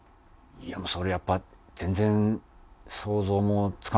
いやもうそれはやっぱ全然想像もつかなかったです